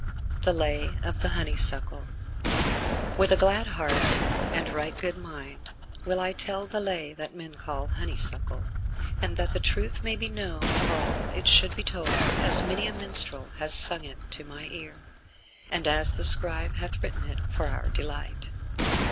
X THE LAY OF THE HONEYSUCKLE With a glad heart and right good mind will I tell the Lay that men call Honeysuckle; and that the truth may be known of all it shall be told as many a minstrel has sung it to my ear, and as the scribe hath written it for our delight.